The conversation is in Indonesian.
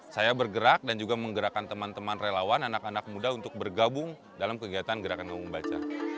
saya bergerak dan juga menggerakkan teman teman relawan anak anak muda untuk bergabung dalam kegiatan gerakan kampung baca